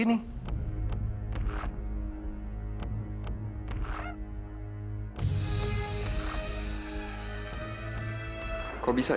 rande kamu kan anak anak di sini